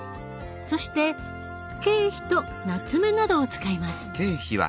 そして桂皮となつめなどを使います。